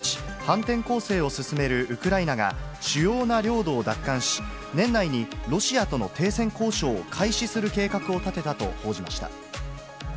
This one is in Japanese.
アメリカメディアは先月３０日、反転攻勢を進めるウクライナが主要な領土を奪還し、年内にロシアとの停戦交渉を開始する計画を立てたと報じました。